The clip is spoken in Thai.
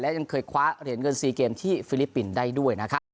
และยังเคยคว้าเหรียญเงิน๔เกมที่ฟิลิปปินส์ได้ด้วยนะครับ